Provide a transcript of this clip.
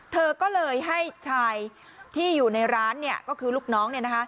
เธอก็เลยให้ชายที่อยู่ในร้านก็คือลูกน้อง